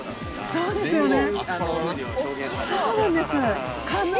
そうですね。